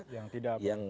yang tidak apa